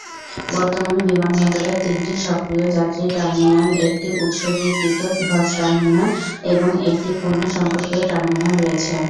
বর্তমানে বিমানবন্দরে তিনটি সক্রিয় যাত্রী টার্মিনাল, একটি উৎসর্গীকৃত হজ টার্মিনাল এবং একটি পণ্যসম্পর্কীয় টার্মিনাল রয়েছে।